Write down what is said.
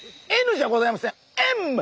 Ｎじゃございません。